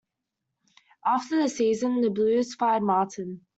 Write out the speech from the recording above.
After the season, the Blues fired Martin.